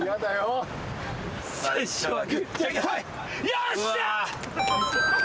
よっしゃ！